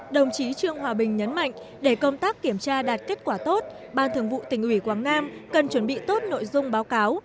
đồng chí trương hòa bình nhấn mạnh để công tác kiểm tra đạt kết quả tốt ban thường vụ tỉnh ủy quảng nam cần chuẩn bị tốt nội dung báo cáo